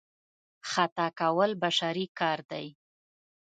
خطا کول بشري کار دی.